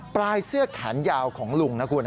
ปลายเสื้อแขนยาวของลุงนะคุณ